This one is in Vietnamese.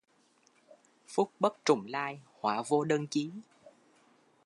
Phúc bất trùng lai, hoạ vô đơn chí.